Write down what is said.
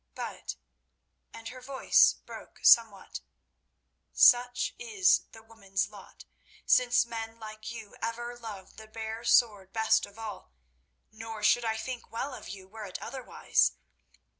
But"—and her voice broke somewhat—"such is the woman's lot, since men like you ever love the bare sword best of all, nor should I think well of you were it otherwise.